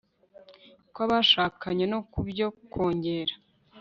kw'abashakanye no ku byo kongera